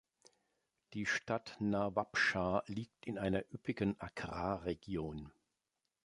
Die Stadt Nawabshah liegt in einer üppigen Agrarregion.